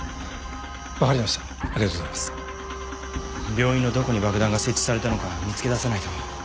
病院のどこに爆弾が設置されたのか見つけださないと。